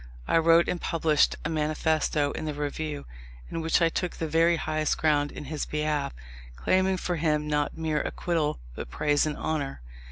I wrote and published a manifesto in the Review, in which I took the very highest ground in his behalf, claiming for him not mere acquittal, but praise and honour.